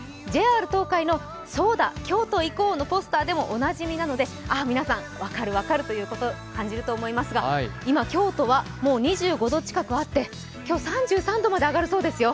ＪＲ東海の「そうだ京都、行こう」のポスターでもおなじみなのでああ、皆さん、分かる、分かるということを感じると思いますが今、京都は２５度近くあって今日、３３度まで上がるそうですよ。